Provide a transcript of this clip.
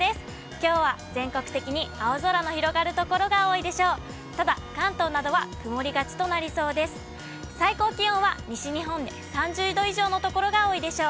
きょうは全国的に青空の広がる所が多いでしょう。